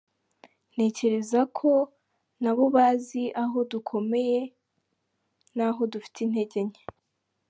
Ntekereza ko nabo bazi aho dukomeye n’aho dufite integer nke.